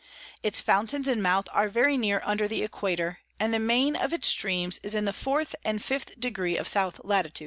Its Fountains and Mouth are very near under the Equator, and the main of its Stream is in the 4th and 5th deg. of S. Lat.